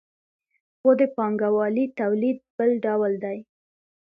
خو د پانګوالي تولید بل ډول دی.